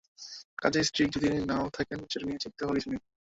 কাজেই স্ট্রিক যদি না-ও থাকেন, সেটা নিয়ে চিন্তিত হওয়ার কিছু নেই।